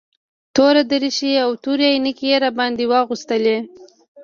توره دريشي او تورې عينکې يې راباندې واغوستلې.